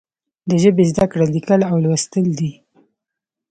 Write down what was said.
د ژبې زده کړه لیکل او لوستل دي.